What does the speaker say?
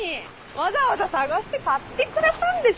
わざわざ探して買ってくれたんでしょ？